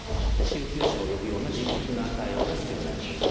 救急車を呼ぶような迅速な対応が必要になります。